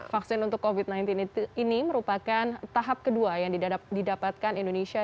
vaksin untuk covid sembilan belas ini merupakan tahap kedua yang didapatkan indonesia